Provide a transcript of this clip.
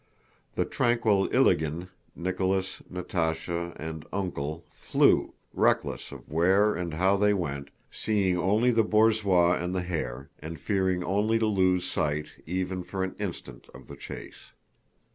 The tranquil Ilágin, Nicholas, Natásha, and "Uncle" flew, reckless of where and how they went, seeing only the borzois and the hare and fearing only to lose sight even for an instant of the chase.